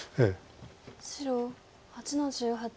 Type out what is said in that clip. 白８の十八。